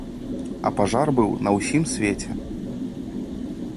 А пажар быў на ўсім свеце.